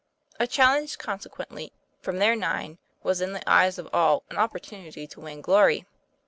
A challenge, conse TOM PLAYFAIR. 207 quently, from their nine, was, in the eyes of all, an opportunity to win glory.